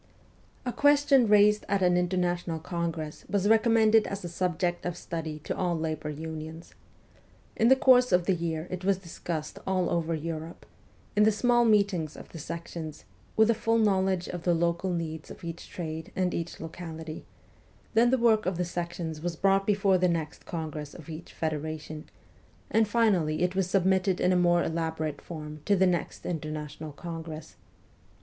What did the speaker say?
A question raised at an international congress was recommended as a subject of study to all labour unions. In the course of the year it was discussed all over Europe, in the small meetings of the sections, with a full knowledge of the local needs of each trade and each locality ; then the work of the sections was brought before the next congress of each federation, and finally it was submitted in a more elaborate form to the next international congress.